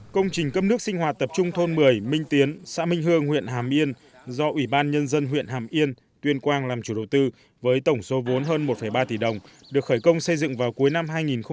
công trình cấp nước sinh hoạt tập trung thôn một mươi minh tiến xã minh hương huyện hàm yên do ủy ban nhân dân huyện hàm yên tuyên quang làm chủ đầu tư với tổng số vốn hơn một ba tỷ đồng được khởi công xây dựng vào cuối năm hai nghìn một mươi